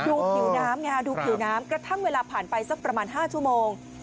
ดูผิวน้ำดูผิวน้ำกระทั่งเวลาผ่านไปสักประมาณ๕ชั่วโมง